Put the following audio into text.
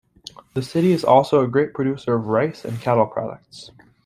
The city also is a great producer of rice and cattle products.